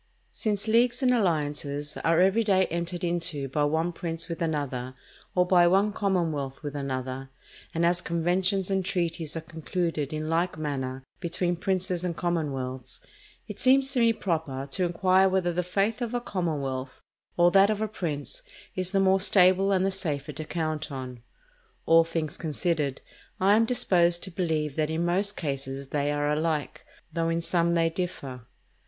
Since leagues and alliances are every day entered into by one prince with another, or by one commonwealth with another, and as conventions and treaties are concluded in like manner between princes and commonwealths, it seems to me proper to inquire whether the faith of a commonwealth or that of a prince is the more stable and the safer to count on. All things considered, I am disposed to believe that in most cases they are alike, though in some they differ.